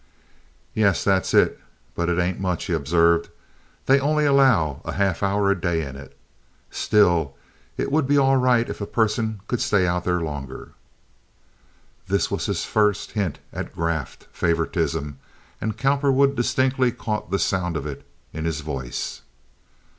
"Yes, that's it, but it ain't much," he observed. "They only allow a half hour a day in it. Still it would be all right if a person could stay out there longer." This was his first hint at graft, favoritism; and Cowperwood distinctly caught the sound of it in his voice.